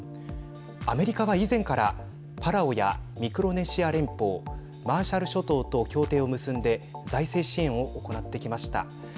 アメリカは以前からパラオやミクロネシア連邦マーシャル諸島と協定を結んで財政支援を行ってきました。